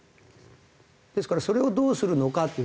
ですからそれをどうするのかっていう。